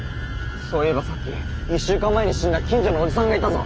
そういえばさっき１週間前に死んだ近所のおじさんがいたぞ。